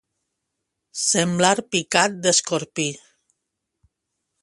Semblar picat d'escorpí.